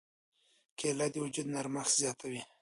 کېله د وجود نرمښت زیاتوي.